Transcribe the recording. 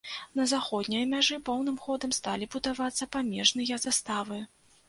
На заходняй мяжы поўным ходам сталі будавацца памежныя заставы.